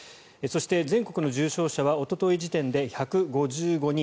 そして、全国の重症者はおととい時点で１５５人。